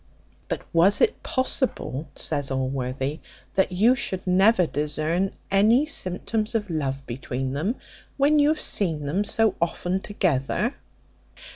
"But was it possible," says Allworthy, "that you should never discern any symptoms of love between them, when you have seen them so often together?"